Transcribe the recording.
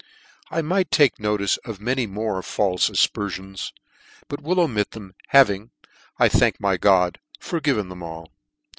I might take notice of many more falfe afper fions, but will omit them ; having, I thank my God, forgiven them all.